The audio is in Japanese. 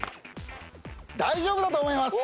大丈夫だと思います。